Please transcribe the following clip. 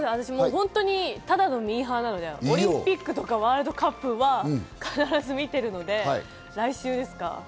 ただのミーハーなので、オリンピックとかワールドカップは必ず見ているので、来週ですか？